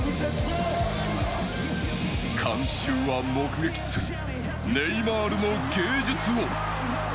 観衆は目撃する、ネイマールの芸術を。